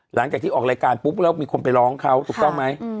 หลังจากที่ออกรายการปุ๊บแล้วมีคนไปร้องเขาถูกต้องไหม